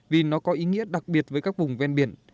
vì nó có ý nghĩa đặc biệt với các vùng ven biển